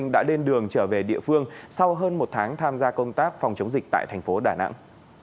đã lên đường trở về địa phương sau hơn một tháng tham gia công tác phòng chống dịch tại thành phố đà nẵng